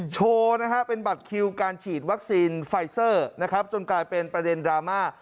โชว์นะฮะเป็นบัตรคิวการฉีดวัคซีนไฟเซอร์นะครับจนกลายเป็นประเด็นดราม่า